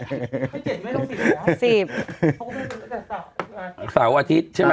ไม่เจ็บไม่ต้องสีดอ่ะ